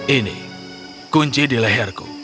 ini kunci di leherku